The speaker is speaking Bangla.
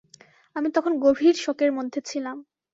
আমি তখন গভীর শোকের মধ্যে ছিলাম।